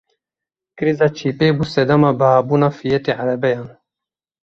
Krîza çîpê bû sedema bihabûna fiyetê erebeyan.